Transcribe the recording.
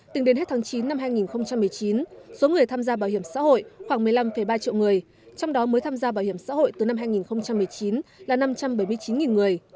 tính đến hết tháng chín năm hai nghìn một mươi chín số người tham gia bảo hiểm xã hội khoảng một mươi năm ba triệu người trong đó mới tham gia bảo hiểm xã hội từ năm hai nghìn một mươi chín là năm trăm bảy mươi chín người